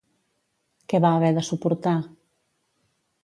Què va haver de suportar?